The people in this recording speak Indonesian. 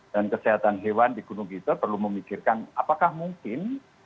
dan kesehatan hewan di gunung gitol perlu memikirkan apakah mungkin